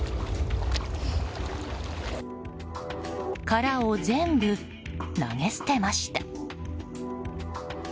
殻を全部、投げ捨てました。